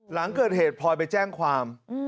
หลังเกิดเหตุพลอยไปแจ้งความ